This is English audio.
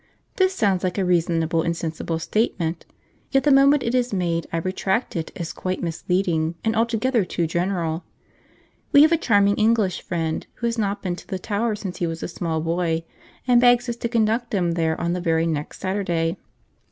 This sounds like a reasonable and sensible statement, yet the moment it is made I retract it, as quite misleading and altogether too general. We have a charming English friend who has not been to the Tower since he was a small boy, and begs us to conduct him there on the very next Saturday.